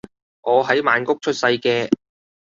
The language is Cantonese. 我係曼谷出世嘅